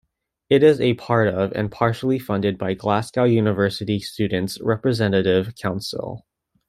It is a part of, and partially funded by, Glasgow University Students' Representative Council.